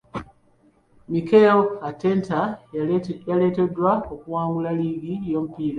Mikel Arteta yaleetebwa kuwangula liigi y'omupiira.